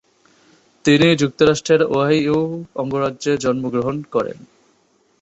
তিনি যুক্তরাষ্ট্রের ওহাইও অঙ্গরাজ্যে জন্মগ্রহণ করেন।